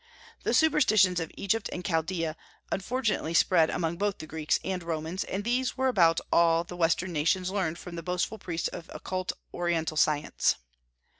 The superstitions of Egypt and Chaldaea unfortunately spread among both the Greeks and Romans, and these were about all that the Western nations learned from the boastful priests of occult Oriental science.